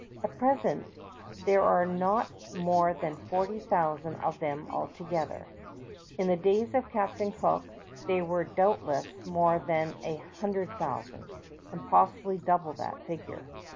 At present there are not more than forty thousand of them altogether. In the days of Captain Cook they were doubtless more than a hundred thousand, and possibly double that figure.